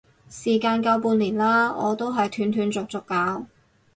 時間夠半年啦，我都係斷斷續續搞